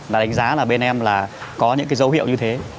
là đánh giá là bên em là có những cái dấu hiệu như thế